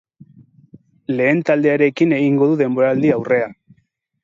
Lehen taldearekin egingo du denboraldi-aurrea.